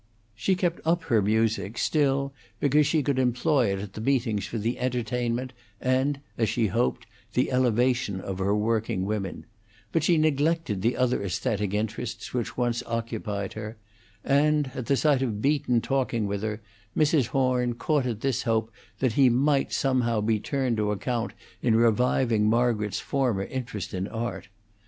She kept up her music still because she could employ it at the meetings for the entertainment, and, as she hoped, the elevation of her working women; but she neglected the other aesthetic interests which once occupied her; and, at sight of Beaton talking with her, Mrs. Horn caught at the hope that he might somehow be turned to account in reviving Margaret's former interest in art.